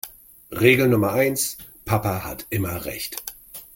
Regel Nummer eins: Papa hat immer Recht.